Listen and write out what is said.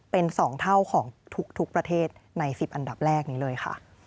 เป็น๒เท่าของทุกประเทศใน๑๐อันดับแรกนี้เลยค่ะ